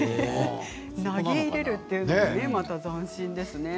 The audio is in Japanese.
投げ入れるということも斬新ですね。